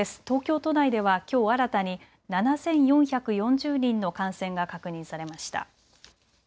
東京都内ではきょう新たに７４４０人の感染が確認されました。